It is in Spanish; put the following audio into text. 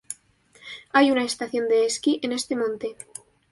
Hay una estación de esquí en este monte.